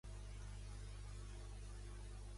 El Fabrizio em bevia l'ànima.